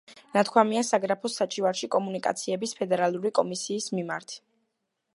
ნათქვამია საგრაფოს საჩივარში კომუნიკაციების ფედერალური კომისიის მიმართ.